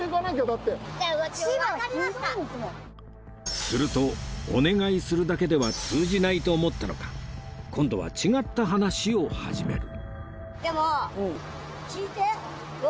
だってうちらもするとお願いするだけでは通じないと思ったのか今度は違った話を始める